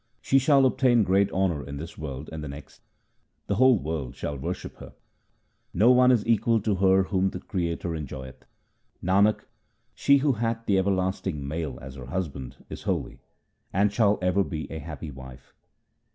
She shall obtain great honour in this world and the next ; the whole world shall worship her. No one is equal to her whom the Creator enjoyeth. Nanak, she who hath the everlasting Male as her Husband is holy, and shall ever be a happy wife.